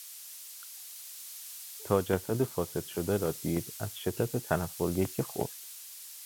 تا جسد فاسد شده را دید از شدت تنفر یکه خورد.